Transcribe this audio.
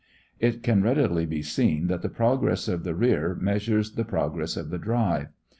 It can readily be seen that the progress of the "rear" measures the progress of the drive.